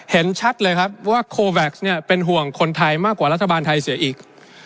เห็นชัดเลยครับว่าโคแว็กซ์เนี่ยเป็นห่วงคนไทยมากกว่ารัฐบาลไทยเสียอีก